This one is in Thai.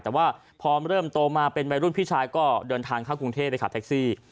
แต่ว่าพอเริ่มโตมาเป็นวัยรุ่นพี่ชายก็เดินทางเข้ากรุงเทพไปขับแท็กซี่